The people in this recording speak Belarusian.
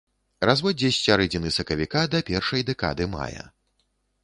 Разводдзе з сярэдзіны сакавіка да першай дэкады мая.